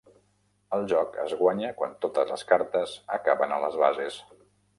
El joc es guanya quan totes les cartes acaben a les bases.